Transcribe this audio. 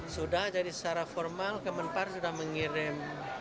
sudah jadi secara formal kemenpar sudah mengirim